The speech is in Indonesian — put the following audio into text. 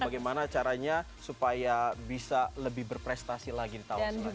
bagaimana caranya supaya bisa lebih berprestasi lagi di tahun selanjutnya